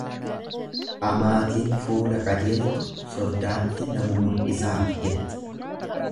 Amaatiin fula qajeeltu soddaatti na mumul'isaa jetti.